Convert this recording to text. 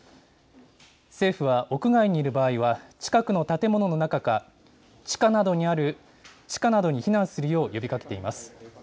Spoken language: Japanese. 政府は屋外にいる場合は、近くの建物の中か、地下などに避難するよう呼びかけています。